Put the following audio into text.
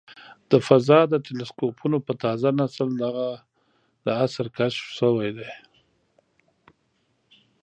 د فضا د ټیلسکوپونو په تازه نسل دغه د عصر کشف شوی دی.